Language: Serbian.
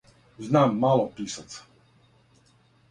Знам мало писаца.